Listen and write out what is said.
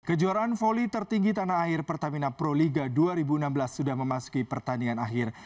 kejuaraan voli tertinggi tanah air pertamina pro liga dua ribu enam belas sudah memasuki pertandingan akhir